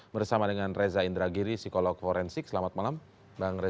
bersama dengan reza indragiri psikolog forensik selamat malam bang reza